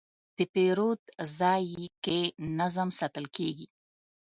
د پیرود ځای کې نظم ساتل کېږي.